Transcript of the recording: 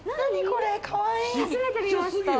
これ、かわいい！